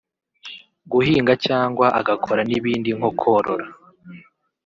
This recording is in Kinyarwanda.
guhinga cyangwa agakora n’ibindi nko korora